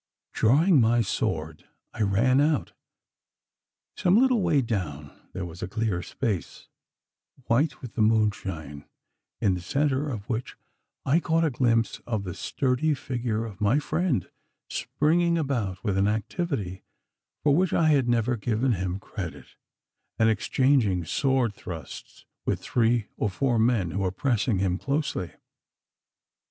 Drawing my sword I ran out. Some little way down there was a clear space, white with the moonshine, in the centre of which I caught a glimpse of the sturdy figure of my friend springing about with an activity for which I had never given him credit, and exchanging sword thrusts with three or four men who were pressing him closely.